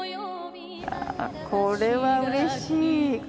これはうれしい。